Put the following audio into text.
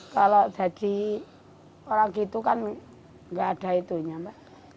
kalau jadi orang gitu kan gak ada itu nya mbak